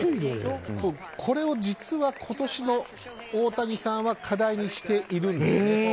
これを実は今年の大谷さんは課題にしているんですね。